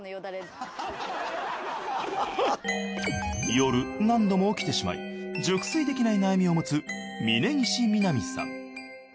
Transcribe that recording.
夜何度も起きてしまい熟睡できない悩みを持つ峯岸みなみさん。